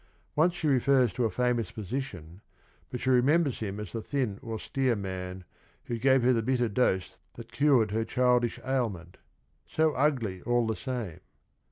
Once she refers to a famous physician, but she remembers him as the thin austere man who gave her the bitter dose that cured her childish ailment —" so ugly all the same."